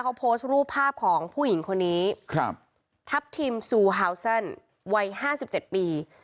เขาโพสต์รูปภาพของผู้หญิงคนนี้ครับทัพทิมซูฮาวซันวัยห้าสิบเจ็ดปี